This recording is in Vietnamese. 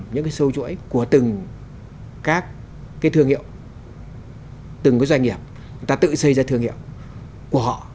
người ta tự xây ra thương hiệu của họ